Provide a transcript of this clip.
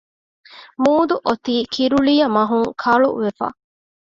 މޫދު އޮތީ ކިރުޅިޔަމަހުން ކަޅުވެފަ